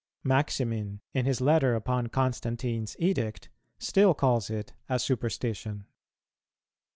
Maximin, in his Letter upon Constantine's Edict, still calls it a superstition.